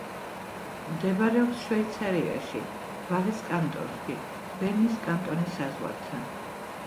მდებარეობს შვეიცარიაში, ვალეს კანტონში, ბერნის კანტონის საზღვართან.